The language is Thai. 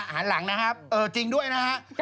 หันหลังนะครับเออจริงด้วยนะฮะ